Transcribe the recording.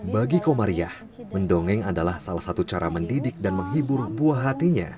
bagi komariah mendongeng adalah salah satu cara mendidik dan menghibur buah hatinya